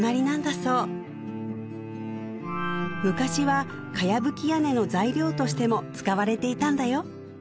そう昔は茅葺屋根の材料としても使われていたんだよ